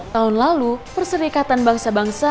tahun lalu perserikatan bangsa bangsa